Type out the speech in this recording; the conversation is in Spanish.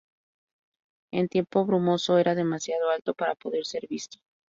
En tiempo brumoso era demasiado alto para poder ser visto.